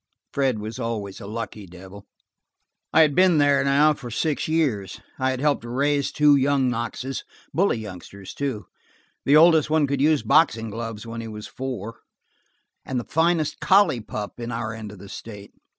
Fred was always a lucky devil. I had been there now for six years. I had helped to raise two young Knoxes–bully youngsters, too: the oldest one could use boxing gloves when he was four–and the finest collie pup in our end of the state.